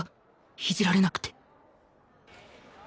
いじられなくて